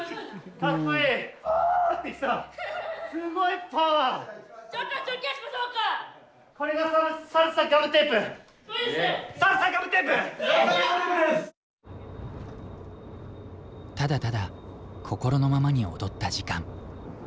ただただ心のままに踊った時間。